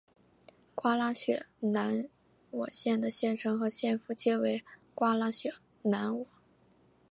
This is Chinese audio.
瓜拉雪兰莪县的县城和县府皆为瓜拉雪兰莪。